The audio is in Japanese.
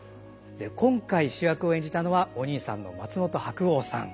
今回主役を演じたのはお兄さんの松本白鸚さん。